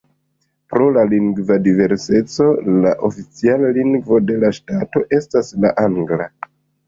Pro la lingva diverseco la oficiala lingvo de la ŝtato estas la angla.